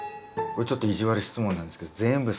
これちょっと意地悪質問なんですけど全部サトイモです。